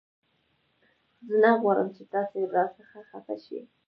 زه نه غواړم چې تاسې را څخه خفه شئ